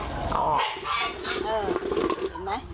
เห็นไหม